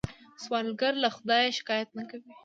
سوالګر له خدایه شکايت نه کوي